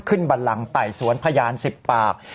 ขึ้นบรรลังไต่สวนพยาน๑๐ปาก